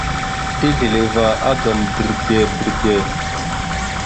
Tisləváagam bredey bredey.